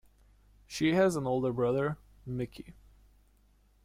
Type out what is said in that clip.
She has an older brother, Micky.